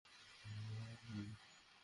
আমার স্বামীই তাঁহাকে সেখানকার খরচ জোগাইতেন।